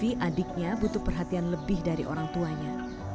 dia tahu vivi adiknya butuh perhatian lebih dari orang tuanya